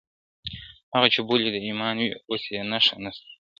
هغه چي پولي د ایمان وې اوس یې نښه نسته-